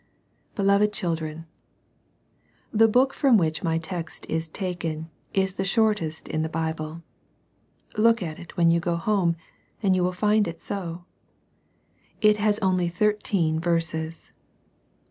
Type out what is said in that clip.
BELOVED Children, — ^The book from which my text is taken, is the shortest in the Bible. Look at it, when you go home, and you will find it so. It has only thirteen verses.